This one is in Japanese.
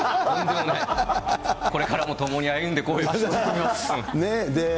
これからも共に歩んでいこう。